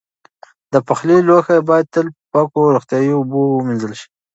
د پخلي لوښي باید تل په پاکو او روغتیایي اوبو ومینځل شي.